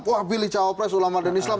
wah pilih cawapres ulama dan islam